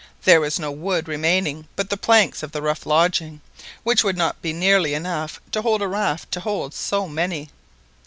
There was no wood remaining but the planks of the rough lodging, which would not be nearly enough to build a raft to hold so many.